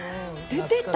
出てた？